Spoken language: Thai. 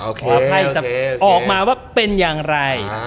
ว่าไพ่จะออกมาว่าเป็นอย่างไร